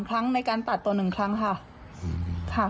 ครั้งในการตัดตัว๑ครั้งค่ะ